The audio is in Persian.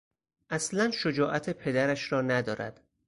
اصلا شجاعت پدرش را ندارد.